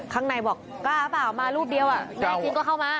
ครั้งในบอกกล้าเปล่ามารูปเดียวอ่ะนายจริงก็เข้ามา